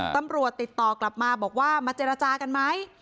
ติดต่อกลับมาบอกว่ามาเจรจากันไหม